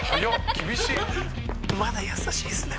厳しい」「まだ優しいですね